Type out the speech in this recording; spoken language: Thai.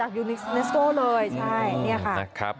จากยูนิสโก้เลยใช่นี่ค่ะ